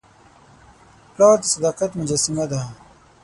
پلار د صداقت مجسمه ده.